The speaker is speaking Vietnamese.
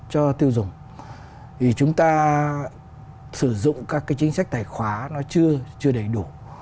của các tiêu dùng thì chúng ta sử dụng các cái chính sách tài khoá nó chưa đầy đủ